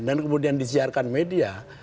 dan kemudian disiarkan media